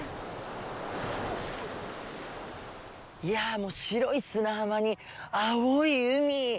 いや白い砂浜に青い海。